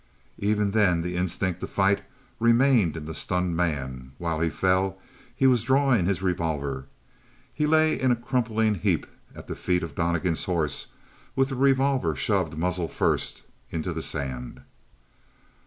Even then the instinct to fight remained in the stunned man; while he fell, he was drawing the revolver; he lay in a crumpling heap at the feet of Donnegan's horse with the revolver shoved muzzle first into the sand.